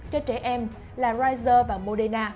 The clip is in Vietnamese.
cho trẻ em là pfizer và moderna